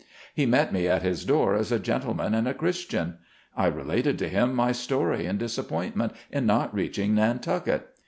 He met me at his door as a gentleman and a Christian. I related to him my story and disappointment in not reaching Nantucket.